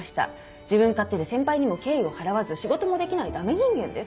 自分勝手で先輩にも敬意を払わず仕事もできないダメ人間です。